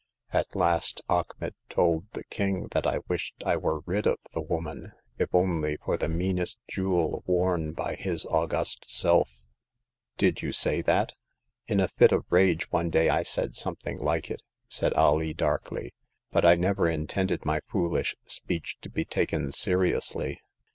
At last Achmet told the King that I had wished I were rid of the woman, if only for the meanest jewel worn by his august self." 56o Hagar of the Pawn Shop. " Did you say that ?"•In a fit of rage one day I said something Hke it," said Alee, darkly; but I never intended my foolish speech to be taken seriously.